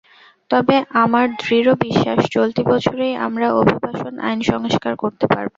তবে আমার দৃঢ় বিশ্বাস, চলতি বছরই আমরা অভিবাসন আইন সংস্কার করতে পারব।